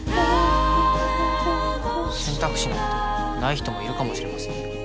選択肢なんてない人もいるかもしれませんよ。